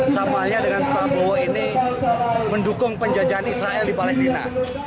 samanya dengan prabowo ini mendukung penjajahan israel di palestina